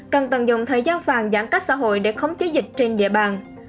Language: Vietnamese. cần tận dụng thời gian vàng giãn cách xã hội để khống chế dịch trên địa bàn